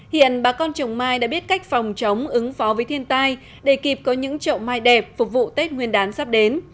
hiện bà con trồng mai đã biết cách phòng chống ứng phó với thiên tai để kịp có những chậu mai đẹp phục vụ tết nguyên đán sắp đến